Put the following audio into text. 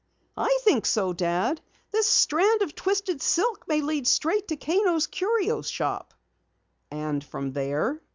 "I think so, Dad. This strand of twisted silk may lead straight to Kano's Curio Shop." "And from there?"